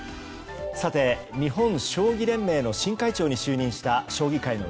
さて、日本将棋連盟の新会長に就任した将棋界の